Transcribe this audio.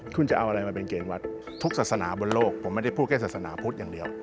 คุณจะเอาอะไรมาเป็นเกณฑ์วัดทุกศาสนาบนโลกผมไม่ได้พูดแค่ศาสนาพุทธอย่างเดียว